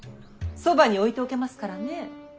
そばに置いておけますからね。